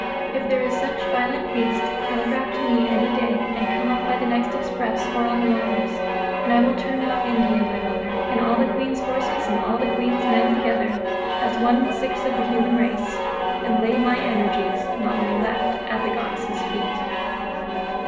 If there is such violent haste, telegraph to me any day and come up by the next express or on the wires. And I will turn out India, my Mother, and all the Queen's horses and all the Queen's men together, with one sixth of the human race, and lay my energies (not many left) at the Goddess' feet.